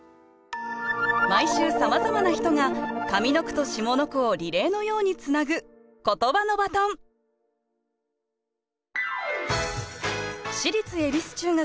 毎週さまざまな人が上の句と下の句をリレーのようにつなぐ私立恵比寿中学